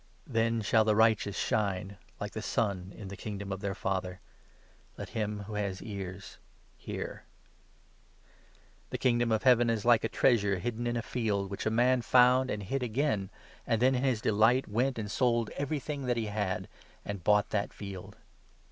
Then shall the righteous shine, like the sun, in the Kingdom 43 of their Father. Let him who has ears hear. Parable Tne Kingdom of Heaven is like a treasure hid 44 of the den in a field, which a man found and hid again, Treasure. an(j then, in his delight, went and sold everything that he had, and bought that field.